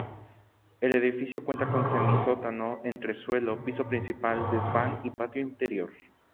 El edificio cuenta con semisótano, entresuelo, piso principal, desván y patio interior.